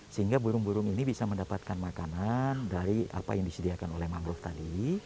sehingga burung burung ini bisa mendapatkan makanan dari apa yang disediakan oleh mangrove tadi